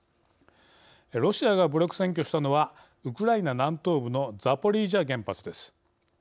ロシアが武力占拠したのはウクライナ南東部のザポリージャ原発です。